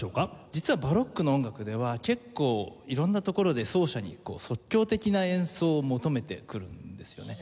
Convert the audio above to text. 実はバロックの音楽では結構色んなところで奏者に即興的な演奏を求めてくるんですよね。